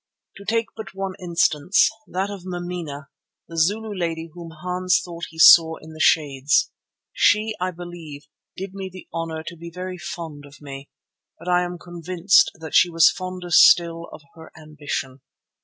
To take but one instance, that of Mameena, the Zulu lady whom Hans thought he saw in the Shades. She, I believe, did me the honour to be very fond of me, but I am convinced that she was fonder still of her ambition.